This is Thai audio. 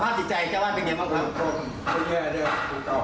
สภาพจิตใจเจ้าว่าเป็นยังไงบ้างครับ